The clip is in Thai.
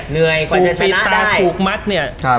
เหนื่อยกว่าจะปิดตาถูกมัดเนี่ย